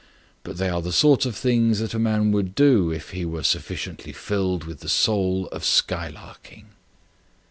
But they are the sort of things that a man would do if he were sufficiently filled with the soul of skylarking."